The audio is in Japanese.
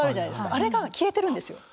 あれが消えてるんですよ。